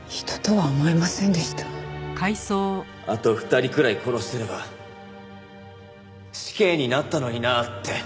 あと２人くらい殺してれば死刑になったのになって。